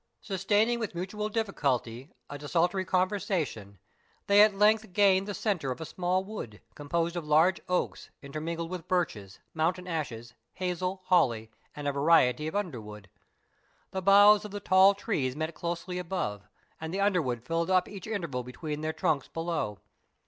Sustaining with mutual difficulty a desultory conversation, they at length gained the centre of a small wood, composed of large oaks, intermingled with birches, mountain ashes, hazel, holly, and a variety of underwood. The boughs of the tall trees met closely above, and the underwood filled up each interval between their trunks below.